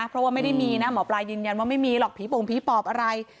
เพราะว่าไม่ได้มีนะหมอปลายืนยันว่าไม่มีหรอกผีโป่งผีปอบอะไร